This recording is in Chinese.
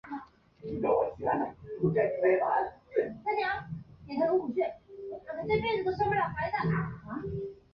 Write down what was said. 上加尔萨斯是巴西马托格罗索州的一个市镇。